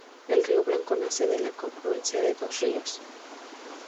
El río Blanco nace de la confluencia de dos ríos.